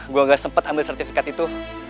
gue gak sempat ambil sertifikat itu